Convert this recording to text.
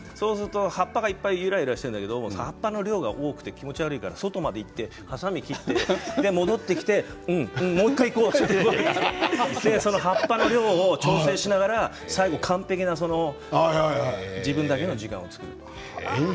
葉っぱがいっぱいゆらゆらしているんですけど葉っぱの量が多くて気持ち悪いから外に行ってはさみで切ってもう１回、行こうといってその葉っぱの量を調整しながら最後完璧な自分だけの時間を作る。